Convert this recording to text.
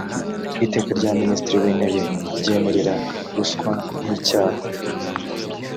iteka rya minisitiri w intebe ryemerera ruswa nk icyaha